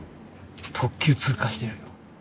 特急通過してる。